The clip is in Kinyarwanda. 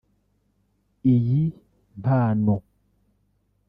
Iyi mpano